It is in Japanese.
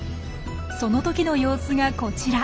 そのときの様子がこちら。